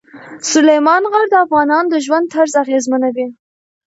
سلیمان غر د افغانانو د ژوند طرز اغېزمنوي.